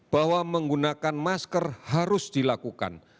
bahwa menggunakan masker harus dilakukan